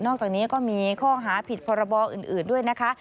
อกจากนี้ก็มีข้อหาผิดพรบอื่นด้วยนะคะ